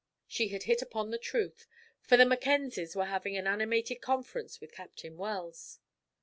She had hit upon the truth, for the Mackenzies were having an animated conference with Captain Wells.